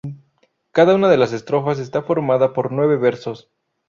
Cada una de las estrofas está formada por nueve versos.